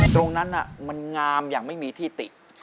ตรงนั้นมันงามอย่างไม่มีที่ติ